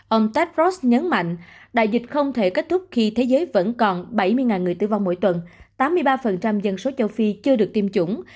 ông tedros nhấn mạnh đại dịch không thể kết thúc khi thế giới vẫn còn bảy mươi người tử vong mỗi tuần tám mươi ba dân số châu phi chưa được tiêm chủng